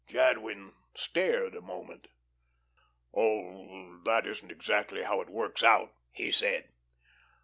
Jadwin stared a moment. "Oh, that isn't exactly how it works out," he said.